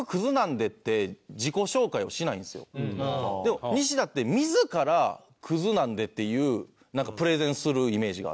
でもニシダって自ら「クズなんで」っていうプレゼンするイメージがあって。